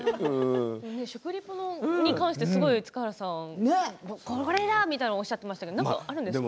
食リポに対して塚原さんこれだみたいにおっしゃっていましたけれども何かあるんですか？